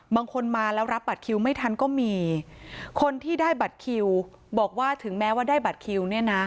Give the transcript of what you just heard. บางคนมาแล้วรับบัตรคิวไม่ทันก็มีคนที่ได้บัตรคิวบอกว่าถึงแม้ว่าได้บัตรคิวเนี่ยนะ